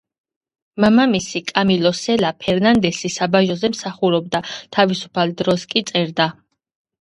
მამამისი კამილო სელა ფერნანდესი საბაჟოზე მსახურობდა, თავისუფალ დროს კი წერდა.